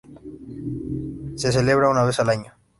Se celebra una vez al año.